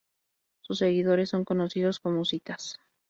Sus seguidores son conocidos como husitas.